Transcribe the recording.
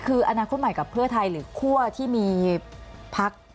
คืออนาคตใหม่กับเพื่อไทยหรือคั่วที่มีพัก